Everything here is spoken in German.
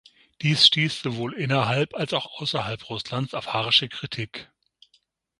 Dies stieß sowohl innerhalb als auch außerhalb Russlands auf harsche Kritik.